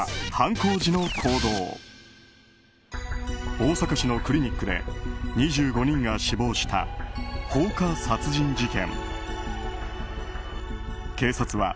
大阪市のクリニックで２５人が死亡した放火殺人事件。